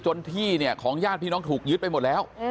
ที่เนี่ยของญาติพี่น้องถูกยึดไปหมดแล้ว